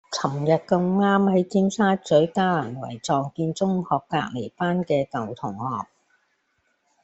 噚日咁啱喺尖沙咀嘉蘭圍撞見中學隔離班嘅舊同學